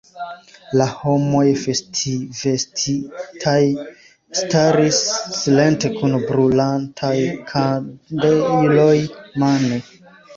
La homoj festvestitaj staris silente kun brulantaj kandeloj mane.